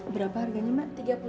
berapa harganya mak